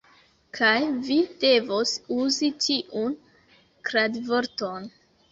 Kaj vi devos uzi tiun kradvorton.